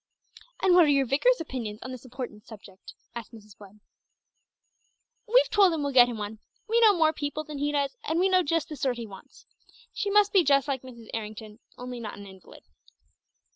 "And what are your vicar's opinions on this important subject?" asked Miss Webb. "We've told him we'll get him one. We know more people than he does, and we know just the sort he wants. She must be just like Mrs. Errington, only not an invalid."